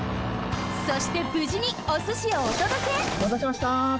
そしてぶじにおすしをおとどけおまたせしました。